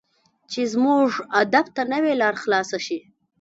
چې زموږ ادب ته نوې لار خلاصه شي.